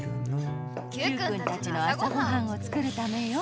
Ｑくんたちの朝ごはんを作るためよ。